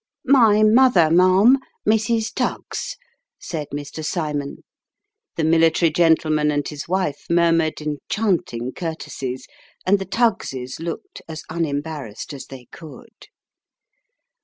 "My mother, ma'am Mrs. Tuggs" said Mr. Cymon. The military gentleman and his wife murmured enchanting courtesies ; and the Tuggs's looked as unembarrassed as they could.